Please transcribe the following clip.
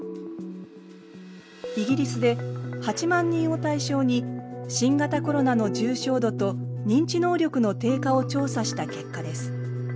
イギリスで８万人を対象に新型コロナの重症度と認知能力の低下を調査した結果です。